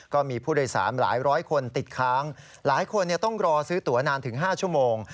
ก็มีผู้โดยสารหลายร้อยคนติดค้างหลายคนต้องรอซื้อตัวนานถึง๕ชั่วโมง